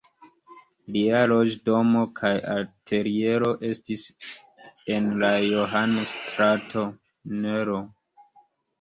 Lia loĝdomo kaj ateliero estis en la Johannes-strato nr.